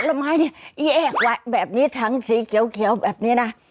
แล้วไม้เนี่ยอี้แยกไว้แบบนี้ถังสีเขียวแบบนี้นะ